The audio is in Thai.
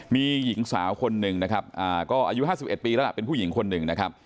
มีหญิงสาวคนหนึ่งนะครับก็อายุ๕๑ปีแล้วล่ะเป็นผู้หญิงคนหนึ่งนะครับ